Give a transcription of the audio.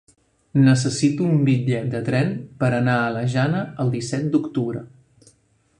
Necessito un bitllet de tren per anar a la Jana el disset d'octubre.